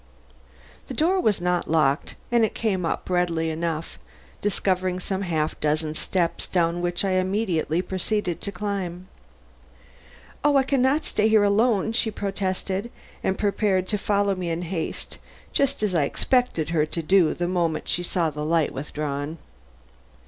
The door was not locked and it came up readily enough, discovering some half dozen steps, down which I immediately proceeded to climb. "Oh, I can not stay here alone," she protested, and prepared to follow me in haste just as I expected her to do the moment she saw the light withdrawn.